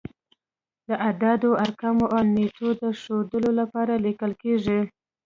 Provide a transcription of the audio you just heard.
د اعدادو، ارقامو او نېټو د ښودلو لپاره لیکل کیږي.